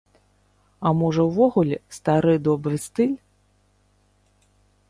А можа ўвогуле стары добры стыль?